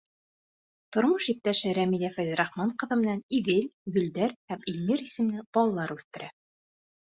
Тормош иптәше Рәмилә Фәйзрахман ҡыҙы менән Иҙел, Гөлдәр һәм Илмир исемле балалар үҫтерә.